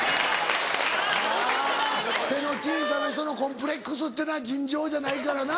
背の小さな人のコンプレックスっていうのは尋常じゃないからな。